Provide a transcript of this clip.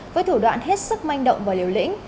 với thủ đoạn hết sức manh động và liều lĩnh